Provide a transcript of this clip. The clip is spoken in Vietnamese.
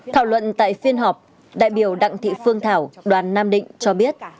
thảo luận tại phiên họp đại biểu đặng thị phương thảo đoàn nam định cho biết